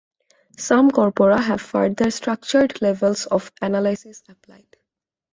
Some corpora have further "structured" levels of analysis applied.